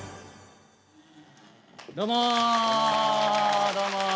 どうも。